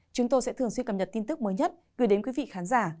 chúng tôi sẽ thường xuyên cập nhật tin tức mới nhất gửi đến quý vị khán giả